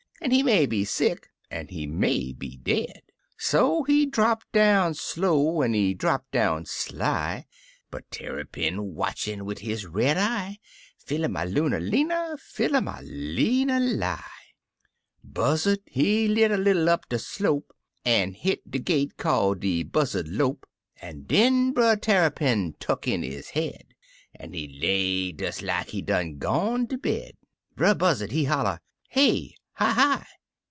An' he may be sick, an' he may be dead! " So he drap down slow, an' he drap down sly, But Tarrypin watchin' wid his red eye — Fil a ma looner leener! fil a ma leener lil Buzzard he lit a little up de slope, An' hit de gait call de buzzard lope, An' den Brer Tarrypin tuck in his head An' lay des like he done gone ter bed. Brer Buzzard he holler, " Hey! hi hi!